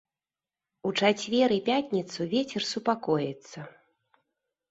У чацвер і пятніцу вецер супакоіцца.